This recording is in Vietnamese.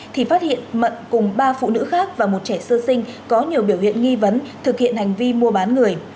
thì phát hiện mận cùng ba phụ nữ khác và một trẻ sơ sinh có nhiều biểu hiện nghi vấn thực hiện hành vi mua bán người